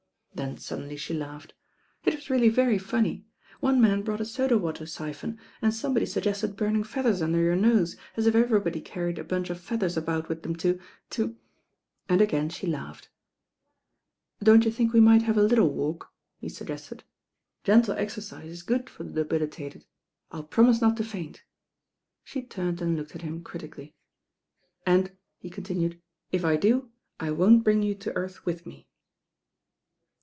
Then suddenly she laughed. "It was really very funny. One man brought a soda water ^phon, and somebody suggested burning feathers under your nose, as if everybody carried a bunch of feathers about with them to— to— " and again she laughed. "Don't you think we might have a little walk," he suggested. "Gentle exercise is good for the debili tated. I'll promise not to faint." She turned and looked at him critically. "And," he continued, "if I do, I won't bring you to earth with me."